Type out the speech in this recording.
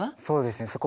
そうですね。